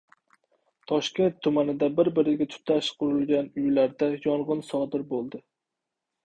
Toshkent tumanida bir-biriga tutash qurilgan uylarda yong‘in sodir bo‘ldi